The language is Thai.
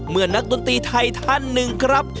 เมื่อนักดนตรีไททันหนึ่งครับ